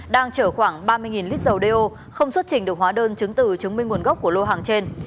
đang chở khoảng ba mươi lít dầu đeo không xuất trình được hóa đơn chứng từ chứng minh nguồn gốc của lô hàng trên